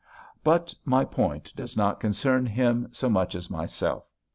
"But my point does not concern him so much as myself.